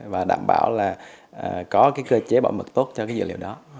và đảm bảo là có cơ chế bảo mật tốt cho dữ liệu đó